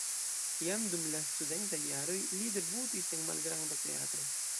Jam dum la studentaj jaroj li debutis en malgranda teatro.